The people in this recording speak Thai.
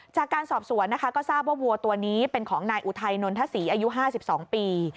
จากการสอบสวนนะคะก็ทราบว่าวัวตัวนี้เป็นของนายอุทัยนนทศรีอายุ๕๒ปี